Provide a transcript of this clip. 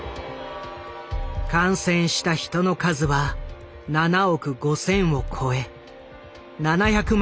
感染した人の数は７億５，０００を超え７００万